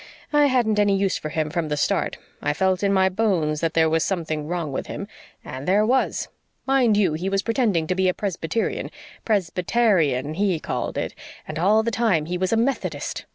I hadn't any use for him from the start. I felt in my bones that there was something wrong with him. And there was. Mind you, he was pretending to be a Presbyterian PresbyTARian, HE called it and all the time he was a Methodist.